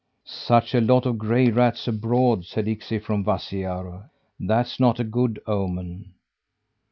"Such a lot of gray rats abroad!" said Iksi from Vassipaure. "That's not a good omen."